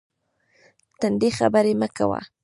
تندې خبرې مه کوئ